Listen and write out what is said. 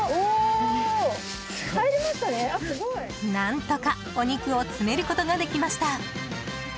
何とか、お肉を詰めることができました。